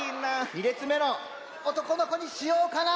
２れつめのおとこのこにしようかな。